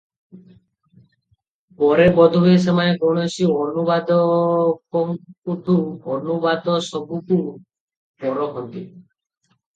ପରେ ବୋଧ ହୁଏ ସେମାନେ କୌଣସି ଅନୁବାଦକଙ୍କଠୁ ଅନୁବାଦସବୁକୁ ପରଖନ୍ତି ।